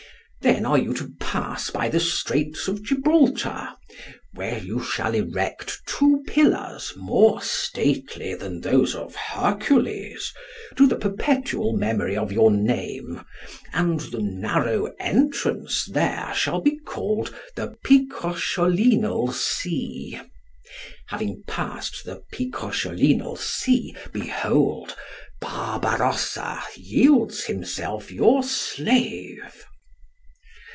Then are you to pass by the Straits of Gibraltar, where you shall erect two pillars more stately than those of Hercules, to the perpetual memory of your name, and the narrow entrance there shall be called the Picrocholinal sea. Having passed the Picrocholinal sea, behold, Barbarossa yields himself your slave.